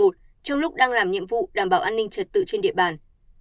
trong lúc đang làm nhiệm vụ đảm bảo an ninh trật tự trên địa bàn